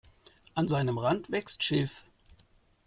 An seinem Rand wächst Schilf.